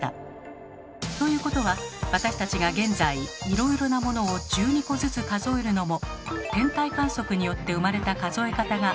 ということは私たちが現在いろいろなものを１２個ずつ数えるのも天体観測によって生まれた数え方がもとになっているのでしょうか？